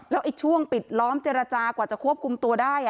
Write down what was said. แล้วช่วงปิดล้อมเจรจากว่าจะควบคุมตัวได้